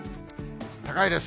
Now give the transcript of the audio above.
高いです。